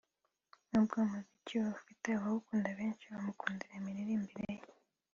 n’ubwo umuziki we ufite abawukunda benshi bamukundira imiririmbire ye